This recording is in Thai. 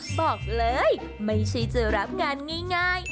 บอกเลยไม่ใช่จะรับงานง่าย